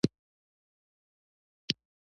زه د خبرو کولو څخه مخکي فکر کوم.